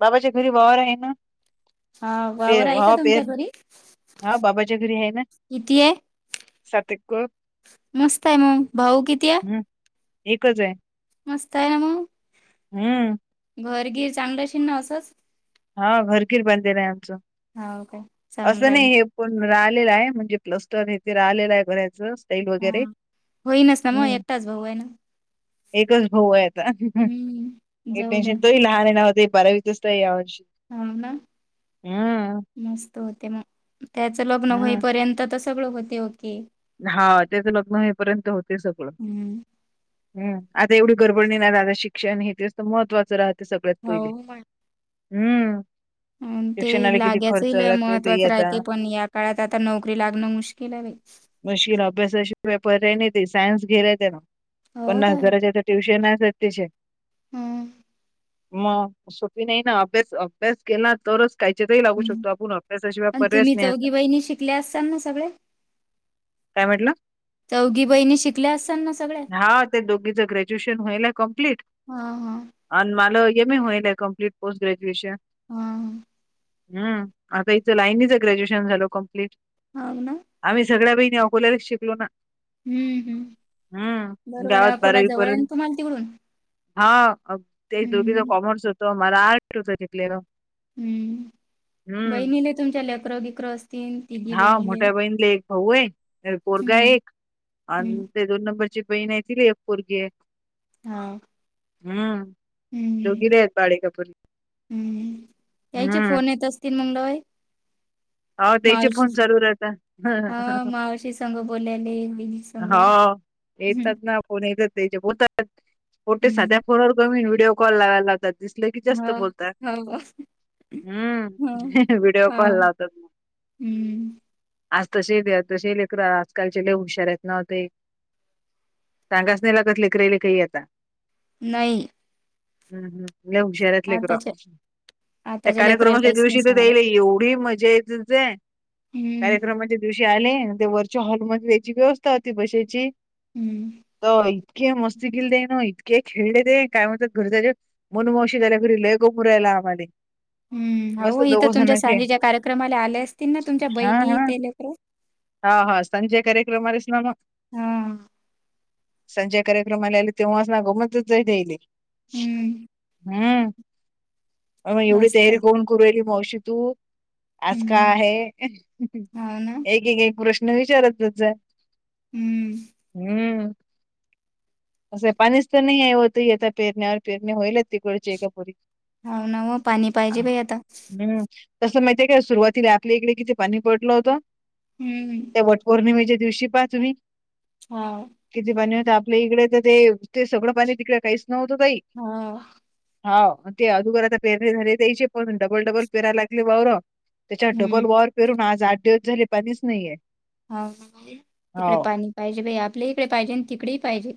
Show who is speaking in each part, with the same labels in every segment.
Speaker 1: बाबाच्या घरी वावर आहे न
Speaker 2: हा वावर आहे का तुमच्या घरी
Speaker 1: हा बाबाच्या घरी आहे ना
Speaker 2: किती आहे
Speaker 1: सात एकर...
Speaker 2: मस्त आहे मग भाऊ किती आहे...
Speaker 1: हम्म एकच आहे...
Speaker 2: मस्त आहे ना मग...
Speaker 1: हम्म...
Speaker 2: घर गिर चांगलं अशील न असंच...
Speaker 1: हा घरगिर बांधलेलं आहे आमचं
Speaker 2: हो काय चांगलं
Speaker 1: असं
Speaker 2: आहे ना.
Speaker 1: नाही.... कोण राहिलेला आहे म्हणजे प्लस टन हेथे राहिलेला आहे म्हणायचं.... ई वगैरे
Speaker 2: हा होईनच ना मग
Speaker 1: हम्म....
Speaker 2: एकटाच भाऊ आहे ना
Speaker 1: एकच भाऊ आहे आता
Speaker 2: हम्म
Speaker 1: हे
Speaker 2: जाऊ द्या
Speaker 1: टेन्शन तो ही लहान आहे नव होते बरावीतच... त आवज...
Speaker 2: ह ना मस्त होते मग त्याचं लग्न
Speaker 1: हम्म
Speaker 2: होईपर्यंत तस.... सगळं होते ओके....
Speaker 1: हा त्याचं लग्न होईपर्यंत होते सगळं...
Speaker 2: हम्म
Speaker 1: हम् आता एवढी गडबडणी नाही दादा शिक्षण हे ते असत महत्त्वाचं राहते सगळ्यात
Speaker 2: हो
Speaker 1: पहिले... हम्म
Speaker 2: अ ते
Speaker 1: शिक्षणाला किती
Speaker 2: लागयाचही
Speaker 1: खर्च
Speaker 2: लय
Speaker 1: लागते ते
Speaker 2: महत्त्वाचं
Speaker 1: आता
Speaker 2: राहते पण यात... काळात आता नोकरी लागणं मुश्किल आहे बाई...
Speaker 1: मशिन अभ्यासाची पेपर नाही ते सायन्स घेतलाय त्या ना
Speaker 2: हो
Speaker 1: पन्नास
Speaker 2: काय
Speaker 1: हजाराच्या.... ट्यूशन सत्यचे....
Speaker 2: हम्म....
Speaker 1: मग सोपी नाही ना अभ्यास अभ्यास केला तरच.... कायच्या तरही लागू शकतो आपण अभ्यासशिवाय पर्याय च नाही आता....
Speaker 2: इथल्या असताात ना सगळे....
Speaker 1: काय म्हटलं....
Speaker 2: चौघी बहिणी शिकल्या असाल ना सगळ्या?
Speaker 1: हा ते दोघीच ग्रॅजुएशन होईल कम्प्लीट....
Speaker 2: हा हा....
Speaker 1: आणि मला एम ए होईल कंमप्लीट पोस्ट ग्रॅज्युएशन....
Speaker 2: हां.....
Speaker 1: हम् आता इथं लाईनीचं ग्रॅज्युएशन झालं कम्प्लीट.....
Speaker 2: हो ना.....
Speaker 1: आम्ही सगळ्या बहिणी अकोल्याला च शिकलो ना.....
Speaker 2: हम्म हम्म
Speaker 1: हम्म
Speaker 2: बरोबर आहे
Speaker 1: गावात
Speaker 2: अकोला जवळ आहे ना
Speaker 1: बारावीपर्यंत...
Speaker 2: तुम्हाला तिकडून?
Speaker 1: हा ते दोघीचा
Speaker 2: हम्म
Speaker 1: कॉमर्स होत मला आर्ट्स होत जला...
Speaker 2: हम्म... बहिणीले तुमच्या लेकरे बिक्र असतील तिघी
Speaker 1: हा
Speaker 2: बहिणीले....
Speaker 1: मोठ्या बहिणीला एक भाऊ आहे अ, पोरगा
Speaker 2: हम्म
Speaker 1: एक
Speaker 2: हम्म
Speaker 1: आणि ते दोन नंबरची बहीण आहे ति एक पोरगी.....
Speaker 2: हा...
Speaker 1: हम्म दोघिर आहेत बाळी कपुरी....
Speaker 2: हम्म. यायचे फोन येत असतील मंगडवई...
Speaker 1: हो त्याचे फोन जरूर
Speaker 2: हा
Speaker 1: आहेता...
Speaker 2: मावशी संग बोलायला...
Speaker 1: हा येतच ना कोण येतच तेचे बोलतात...... फोटे साध्या
Speaker 2: हम्म
Speaker 1: फोन व्हिडिओ कॉल लावाय लातात... दिसलं की जास्त
Speaker 2: हो
Speaker 1: बोलतय
Speaker 2: हो हो
Speaker 1: हम्म व्हिडिओ कॉल
Speaker 2: हो
Speaker 1: लावतात मग.....
Speaker 2: हम्म....
Speaker 1: आज तसेही तसे लेकर आजकालचे लय हुशार आहेतना ते. सांगच नाही लागत लेकरई ले काही आता...
Speaker 2: नाही!
Speaker 1: हम् हम! लय हुशार आहेत लेकर,
Speaker 2: आताच्या
Speaker 1: त्या
Speaker 2: आताच्या लेकराला
Speaker 1: कार्यक्रमाच्या
Speaker 2: काहीच नाही
Speaker 1: दिवशी तर
Speaker 2: सांगायला
Speaker 1: याईल एवढी मजा येत
Speaker 2: हम्म.
Speaker 1: कार्यक्रमाच्या दिवशी आले ते वरच्या हॉलमध्येध्ये याची व्यवस्था होती बशाची
Speaker 2: हम्म!
Speaker 1: होय, इतके मस्ती केली तेन इतके खेळले ते काय म्हणत घरी जायचे मनु मावशी लय गोपूरायला आम्हाला.
Speaker 2: हम्म अहो इथ तुमच्या सांनिच्या कार्यक्रमाला आले असतील ना तुमच्या
Speaker 1: हा
Speaker 2: बहिणी
Speaker 1: हा
Speaker 2: ते लेकर?
Speaker 1: हा हा संजय कार्यक्रम ला च न मग?
Speaker 2: हा!
Speaker 1: संजय कार्यक्रमाला आले तेव्हा अस ना गो द्यायले.
Speaker 2: हम्म.
Speaker 1: हम्म! आग एवढी
Speaker 2: मस्त.
Speaker 1: तयारी करन करू ये मावशी तू आज का
Speaker 2: हम्म.
Speaker 1: आहे
Speaker 2: हो ना.
Speaker 1: एक एक एक प्रश्न विचारतच
Speaker 2: हम्म.
Speaker 1: हम्म! असं पाणीच तर नाही आहे होत आता पेरण्यावर पेरणे होईल तीकडची एकापरी.
Speaker 2: हाव ना ओ पाणी पाहिजे बाई आता.
Speaker 1: हम्! तस माहिती आहे काय सुरुवातीला आपल्या इकडे किती पाणी पडलं होतं.
Speaker 2: हम्म!
Speaker 1: त्या वट पौर्णिमेच्या दिवशी पहा तुम्ही
Speaker 2: हो.
Speaker 1: किती पाणी होत. इकडे तर ते ते सगळं पाणी तिकडे काहीच नव्हतं बाई!
Speaker 2: हो.
Speaker 1: हा ते अधुघर आता पेरनि झाले त्याचे पण डबल डबल पेराय लागले वावर. त्याच्यात डबल
Speaker 2: हम्म.
Speaker 1: वावर पेरून आज आठ दिवस झाले पाणीच नाहीये.
Speaker 2: हा तिकडे
Speaker 1: हाव
Speaker 2: पाणी पाहिजे आपल्याहीकडे पाहिजे आणि तिकडे पाहिजे.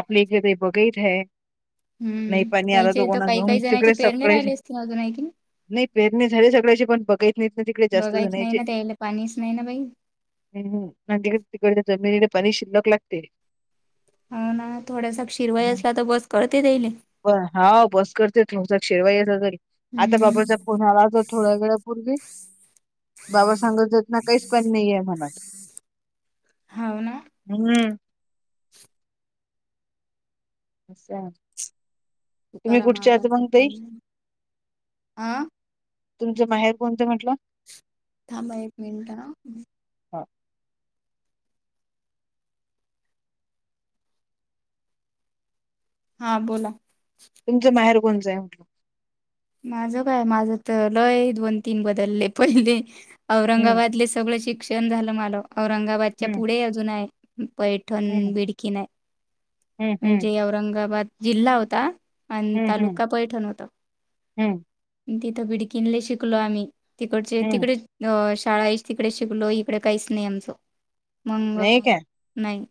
Speaker 1: आपली इकडेे बघत आहे. नाही
Speaker 2: हम्म.
Speaker 1: पाणी आल
Speaker 2: त्याच्या इथं काही
Speaker 1: कोणाकडून,
Speaker 2: काही जणांचे
Speaker 1: तिकडे
Speaker 2: पेरणे
Speaker 1: सगळेच
Speaker 2: राहिले असतील अजून आहे की नाही?
Speaker 1: नाही प्रेरने झाले सगळ्याचे पण बगायत नाहीत ना तिकडे जास्त
Speaker 2: बघायच नाही
Speaker 1: जाणायचे.
Speaker 2: ना त्याला पाणीच नाही ना बाई.
Speaker 1: हम्म आणि तिकडच्या जमीनिला पाणी शिल्लक लागते.
Speaker 2: हो ना थोड्यासा शीरवाई असला तर बस कळते त्यायेले.
Speaker 1: हाव बस करते तुमचा शेरवाई अस घरी. आता
Speaker 2: हम्म.
Speaker 1: बाबा जपून थोड्या वेळापूर्वी बाबा सांगत होते ना काहीच पण नाहीये मम्हणून.
Speaker 2: होव ना?
Speaker 1: हम्म! [unintelligible] तुम्ही
Speaker 2: करा म
Speaker 1: कुठच्या
Speaker 2: आता
Speaker 1: आहात मग ताई?
Speaker 2: फोन, आं!
Speaker 1: कोणते म्हटला?
Speaker 2: थांबा एक मिनट हा!
Speaker 1: हा
Speaker 2: हा बोला!
Speaker 1: तुमचं माहेर कोणंच आहे म्हटलं?
Speaker 2: माझं काय माझ तर लय दोन तीन बदलले पहिले
Speaker 1: हम्म
Speaker 2: औरंगाबादले सगळं शिक्षण झालं मला औरंगाबादच्या
Speaker 1: हम्म
Speaker 2: पुढे अजून आहे.
Speaker 1: हम्म
Speaker 2: पैठण बिडकी नाही
Speaker 1: हम्म हम्म
Speaker 2: म्हणजे औरंगाबाद जिल्हा होता. आणि
Speaker 1: हम्म हम्म
Speaker 2: तालुका पैठण होता.
Speaker 1: हम्म!
Speaker 2: तिथं बिडकीनला शिकलो आम्ही, तिकडचे
Speaker 1: हम्म
Speaker 2: तिकडे अ शाळा ही तिकडेच शिकलो इकडे काहीच नाही आमचं मग
Speaker 1: नाही काय?
Speaker 2: नाही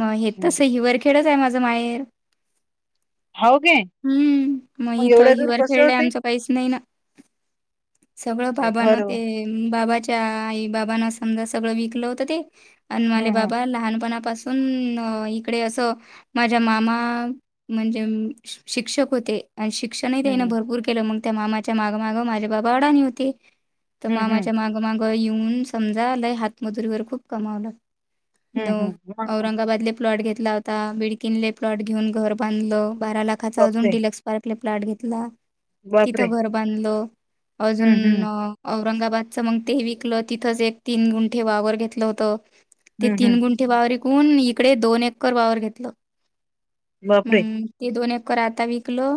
Speaker 2: मग हे
Speaker 1: हम्म
Speaker 2: तस हिवरखेडच आहे माझं माहेर.
Speaker 1: हो गे
Speaker 2: हम्म,
Speaker 1: मग
Speaker 2: इथं
Speaker 1: एवढ्या दूर
Speaker 2: हिवर
Speaker 1: कस
Speaker 2: खेळलंय
Speaker 1: होते
Speaker 2: आमचं काहीच नाही ना सगळं बाबांना
Speaker 1: घर
Speaker 2: ते बाबाच्या आई बाबना समजा सगळं विकलं होतं ते अन्माले
Speaker 1: हम्म हम्म
Speaker 2: बाबा लहानपणापासून इकडे असं माझ्या मामा म्हणजे शिक्षक होते आणि शिक्षण न
Speaker 1: हम्म
Speaker 2: भरपूर केलं मग त्या मामाच्या मागमाग माझ्या बाबा वडा न होती तर
Speaker 1: हम्म हम्म
Speaker 2: मामाच्या माग माग येन समजा हातमजुरी व खप कमाव
Speaker 1: हम्म हम्म मग
Speaker 2: औरंगाबाद प्लॉट घेतला होता बिडकीनले प्लॉट घेऊन घर बांधलं बारा लाखाचा अजून
Speaker 1: बापरे!
Speaker 2: डलक्स ारकले प्लट घेतला
Speaker 1: बापरे!
Speaker 2: तिथं घर बांधलं
Speaker 1: हम्म
Speaker 2: अजून
Speaker 1: हम्म
Speaker 2: औरंगाबादचं मग ते विकलं तिथंच एक तीन गुंठे वावर घेतलं होत ते
Speaker 1: हम्म
Speaker 2: तीन
Speaker 1: हम्म
Speaker 2: गुंठ े वावरिकून इकडे दोन एकर वावर घेतलं
Speaker 1: बापरे!
Speaker 2: मग ते दोन एककर आता विकलो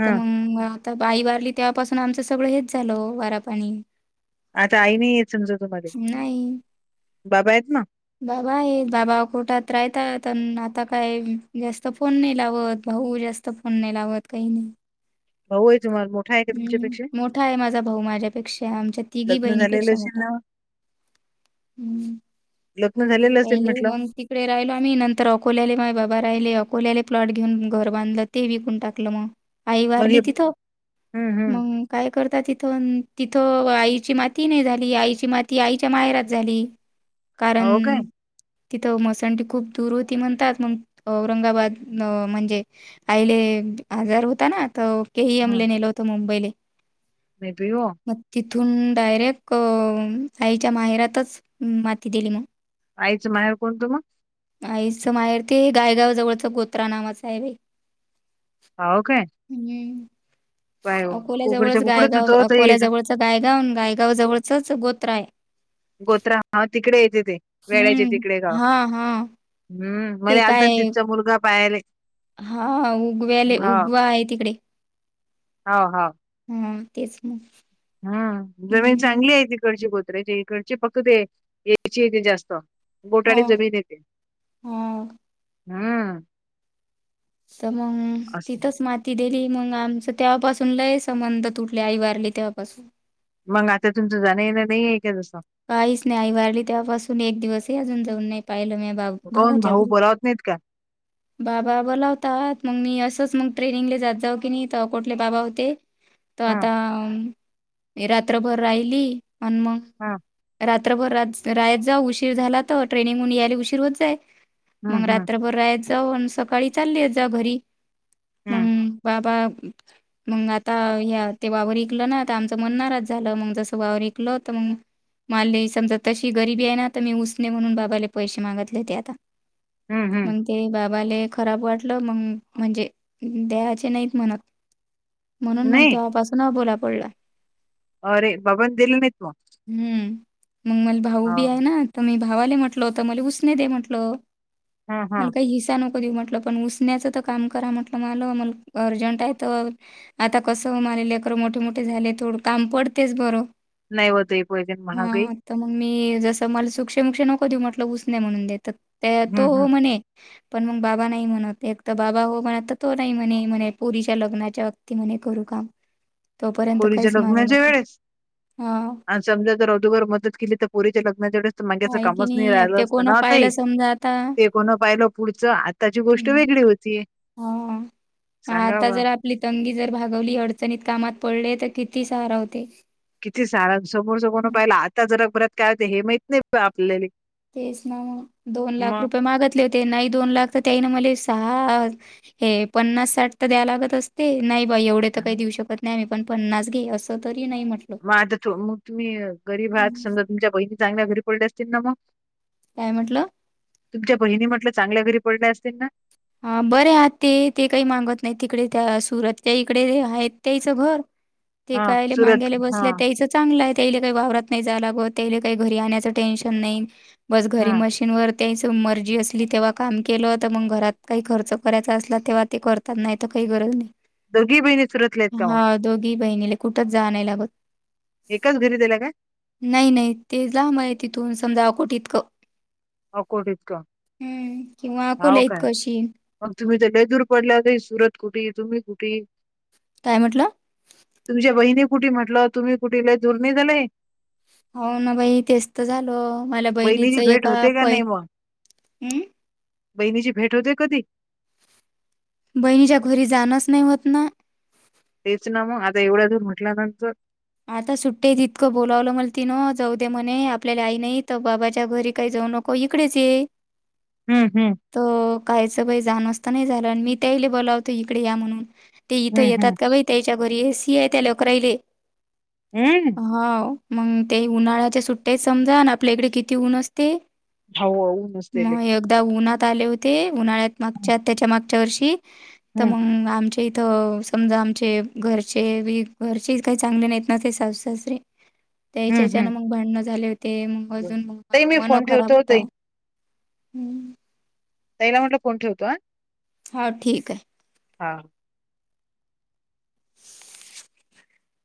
Speaker 1: हा
Speaker 2: तर मग आता आई वारली तेव्हापासून आमचं सगळं हेच झालं वारा पाणी
Speaker 1: आता आई नाही येत समजा तु मध्ये बाबा आहेत ना
Speaker 2: बाबा आहे बाबा कोोठात राहत आता काय जास्त फोन नाही लावत भाऊ जास्त तता फोन नाही लागत काही नाही
Speaker 1: भाऊ आहे तुम्हाला मोठा आहे का तुमच्यापेक्षा?
Speaker 2: हम्म मोठा आहे माझा भाऊ माझ्यापेक्षा आमच्या तिघी
Speaker 1: लग्न झालेलं
Speaker 2: बहिणीपेक्षा
Speaker 1: असेल
Speaker 2: मोठा
Speaker 1: ना,
Speaker 2: ह
Speaker 1: लग्न झालेलं असेल
Speaker 2: पहिले
Speaker 1: म्हटलं.
Speaker 2: ममती तिकडे राहिलो आम्ही नंतर अकोल्याले माझ बाबा राहिले अकोल्याले प्लॉट घेऊन घर बांधलं ते विकून टाकलं मग आई
Speaker 1: मग हे
Speaker 2: वारली तिथं
Speaker 1: हं, हं.
Speaker 2: मग काय करता तिथं तिथं आईची माती नाही झाली आईची माती आईच्या माहेरात झाली कारण
Speaker 1: हो काय?
Speaker 2: तिथं मसंडीी खूप दूर होती म्हणतात मग औरंगाबाद म्हणजे आहिले आजार होता ना तर केहीमले नेल होत मुंबईले
Speaker 1: मेब हो
Speaker 2: मग तिथून डायरेक्ट साईच्या माहेरातच माती दिली मग
Speaker 1: आयचं माहेर कोणतु मग
Speaker 2: आईच माहेर ते गायगाव जवळच गोत्रा नावाचं आहे बा
Speaker 1: हो काय
Speaker 2: हम्
Speaker 1: काय हो?
Speaker 2: अकोल्या
Speaker 1: कुकडच्या
Speaker 2: जवळच
Speaker 1: कुकडच
Speaker 2: गायगाव
Speaker 1: होतं ते
Speaker 2: अकोल्या
Speaker 1: इथं
Speaker 2: जवळच गायगाव गायगाव जवळचंच गोत्रा आहे
Speaker 1: गोत्रा हा तिकडे येते ते वेड्याचे
Speaker 2: हम्म.
Speaker 1: तिकडे गाव
Speaker 2: हां, हां.
Speaker 1: हम् मला आल तर तिथचा मुलगा पाहाला
Speaker 2: हा उगव्याले उगवा आहे तिकडे
Speaker 1: हो हो
Speaker 2: हा तेच मग
Speaker 1: हम जमीन
Speaker 2: हम्म.
Speaker 1: चांगली आहे तिकडची कोोत्रेची इकडची फक्त यायची य ते जास्त बोटाळी
Speaker 2: हो,
Speaker 1: जमीन येते
Speaker 2: हो.
Speaker 1: हम
Speaker 2: तर मग तिथंच ती दिली मग आमचं तेव्हापासून लय संबंध तुटले आई वारली तेवपासून
Speaker 1: मग आता तुमचं जाणय ना नाही आहे का जसं
Speaker 2: काहीच नाही आई भारली त्यावपासून एक दिवसही अजून जाऊन नाही पाहिलं म बाबा
Speaker 1: काऊन भाऊ
Speaker 2: भावाच्यावरर
Speaker 1: बोलावत नाहीत का?
Speaker 2: बाबा बोलावतात मग मी असंच मग ट्रेनिंगले जात जाऊ की नाही तर कुठले बाबा होते तर
Speaker 1: हां,
Speaker 2: आता रात्रभर राहिली आणिन मग
Speaker 1: हा
Speaker 2: रात्रभर रायात जाऊ उशीर झाला तर ट्रेनिंगहून यायला उशीर होत जाय
Speaker 1: हं,
Speaker 2: मग
Speaker 1: हं,
Speaker 2: रात्रभर रायात जाऊ आणि सकाळी चाललीत जा घरी
Speaker 1: हं,
Speaker 2: मग बा बा अंम. मग आता या ते वावर विकलं ना आता आमचं मन नाराज झालं मग जसं वावर विकल त मग माले समजा तशी गरिबी आहे ना तर मी उसणे म्हणून बाबाला पैशे मागतले ते आता
Speaker 1: हं, हं.
Speaker 2: मग ते बाबाले खराब वाटलं मग म्हणजे दयाचे नाहीत म्हणत म्हणून मग
Speaker 1: नाही?
Speaker 2: तेव्हापासून आबोला पडला.
Speaker 1: अरे बाबा दिल नाइत तवा
Speaker 2: हम्म मग मला भाऊ बी आहे ना तर मी भावाले म्हटल होत मला उसने दे म्हटल.
Speaker 1: हां,
Speaker 2: मला
Speaker 1: हां.
Speaker 2: काही हिस्सा नक को देऊ म्हटलं पण उसण्याचं त काम करा म्हटलं माला मल अर्जंट आहे तर आता कसं हो माले लेकरं मोठे मोठे झाले थोडं काम पडतेच बरं
Speaker 1: नाही होत
Speaker 2: हा तर मग मी जसं मला सुक्षशेमुकक्ष नको देऊ म्हटलं उसणे म्हणून देत. त्या
Speaker 1: हं,
Speaker 2: तो
Speaker 1: हं.
Speaker 2: म्हणे. पण मग बाबा नाही म्हणवते एक तर बाबा हो म्हण आता तो नाही म्हणे म्हणे पुरीच्या लग्नाच्या त म्ह करू काम तोपर्यंत
Speaker 1: पोरीच्या
Speaker 2: काहीच मागू
Speaker 1: लग्नाच्या
Speaker 2: नको
Speaker 1: वेळेस
Speaker 2: हा.
Speaker 1: आणि समजा जर अदोगर मदत केली तर पोरीच्या लग्नाच्या वेळेस तर म माग्याच
Speaker 2: आहे की
Speaker 1: कामच नाही
Speaker 2: आता
Speaker 1: राहिलं
Speaker 2: ते
Speaker 1: असतं
Speaker 2: कोणं
Speaker 1: ना
Speaker 2: पाहिलं
Speaker 1: आताही
Speaker 2: समजा आता.
Speaker 1: ते कोण पाहिलं पुढचं आताची गोष्ट वेगळी होतीय.
Speaker 2: ह आता जरा आपली तंगी जर भागवली अडचणीत कामात पडले तर किती सहारा होते.
Speaker 1: किती सारा समोरच कोण
Speaker 2: हं,
Speaker 1: पाहिल आता जरा परत काय होत हे माहित नाही आपल्याले
Speaker 2: तेच ना मग दोन लाख
Speaker 1: मग.
Speaker 2: रुपये मागतले होते नाही दोन लाख तर त्यायन मले सहाआ. हे पन्नास साठ तर द्याय लागत असते नाही. बाई एवढे तर
Speaker 1: हां.
Speaker 2: काही देऊ शकत नाही मी पण पन्नास घे असं तरी नाही म्हट.
Speaker 1: मग आता तु मग तुम्ही गरीब आहात
Speaker 2: हं,
Speaker 1: समजा तुमच्या बहिणी चांगल्या घरी पडल्या असतील ना मग
Speaker 2: काय म्हटलं.
Speaker 1: तुमच्या बहिणी म्हटलं चांगल्या घरी पडल्या असतील ना.
Speaker 2: हा बरे आती ते काही मागत नाही तिकडे त्या सुरतच्या इकडे आहेत त्यायचं घर ते
Speaker 1: हा
Speaker 2: कायले
Speaker 1: सुरत
Speaker 2: माग्याले
Speaker 1: हा
Speaker 2: बसल्या त्यायच. चांगलय त्यायले काही वावरात नाही जायलागत त्यायले काही घरी आणायचं टेन्शन नाही बस घरी
Speaker 1: हा
Speaker 2: मशी इनवर त्यांच मर्जी असली तेव्हा काम केलं त मग घरात काही खर्च करायचा असला तेव्हा ते करतात नाही तर काही गरज नाही.
Speaker 1: दोघी बहिणी सुरतल्यायत का मग
Speaker 2: हा दोघी बहिणीले कुठंच जा नाय लागत.
Speaker 1: एकाच घरी दिल्या काय?
Speaker 2: नाही नाही ते लामये तिथून समजा कोट इतकं.
Speaker 1: अकोट इतकं
Speaker 2: हम्म किंवा अकोल्या
Speaker 1: हाव काय?
Speaker 2: इतक आशीन
Speaker 1: मग तुम्ही तर लय दुर पडल्यात तें सुरत कुठे तुम्ही कुठे?
Speaker 2: काय म्हटलं?
Speaker 1: तुमच्या बहिणी कुठे म्हटलं तुम्ही कुठे लय दूर नाही झालं हे.
Speaker 2: हो ना बाई तेच त झाल मला बहिणीच
Speaker 1: बहिणीची भेट
Speaker 2: एका
Speaker 1: होते का
Speaker 2: पै
Speaker 1: नाही बॉ
Speaker 2: हम्म
Speaker 1: बहिणीची भेट होते कधी
Speaker 2: बहिणीच्या घरी जाणंच नाही होत ना.
Speaker 1: तेच ना मग आता एवढ्या दूर म्हटल्यानंतर
Speaker 2: आता सुट्टेत इतकं बोलावलं मला तिनं जाऊ दे म्हणे आपल्याला आई नाही तर बाबाच्या घरी काही जाऊ नक. को इकडेच ये.
Speaker 1: हम्म हम्म.
Speaker 2: तअ कायचं बाइ जाणच त नाही झालं अन मी त्याईले बोलावतें इकडे या म्हणून ते इथं
Speaker 1: हं
Speaker 2: येतात
Speaker 1: हं
Speaker 2: का बाई त्यायच्या घरी एसीय त्या लेकराईले
Speaker 1: हम्
Speaker 2: हाओ मग ते उन्हाळ्याच्या सुट्यायत समजा अन आपल्याकडे किती ऊन असते
Speaker 1: [inaudible]
Speaker 2: त्या उन्हात आले होते उन्हाळ्यात
Speaker 1: हं
Speaker 2: मागच्या त्याच्या मागच्या वर्षी तर
Speaker 1: हं
Speaker 2: मग आमच्या इथं समजा आमचे घरचे बी घरचे काही चांगले नाही. नाते साास सासे. त्या
Speaker 1: हं हं
Speaker 2: हच्याच्यान मग भांडण झाले होते मग अजून
Speaker 1: ताई मी
Speaker 2: मन
Speaker 1: फोन
Speaker 2: खराब
Speaker 1: ठेवतो
Speaker 2: होता.
Speaker 1: ताई
Speaker 2: हम्म.
Speaker 1: तैला म्हटलं फोन ठेवतो.
Speaker 2: होा ठीक आहे.
Speaker 1: हा.